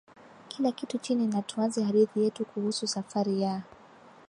kila kitu chini na tuanze hadithi yetu kuhusu safari ya